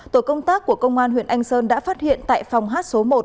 tổ công tác của công an huyện anh sơn đã phát hiện tại phòng hát số một